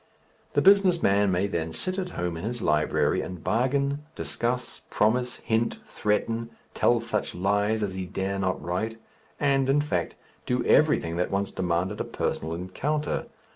The business man may then sit at home in his library and bargain, discuss, promise, hint, threaten, tell such lies as he dare not write, and, in fact, do everything that once demanded a personal encounter.